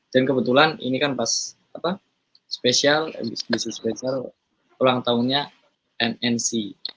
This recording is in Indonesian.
dan kebetulan ini kan pas special special ulang tahunnya nnc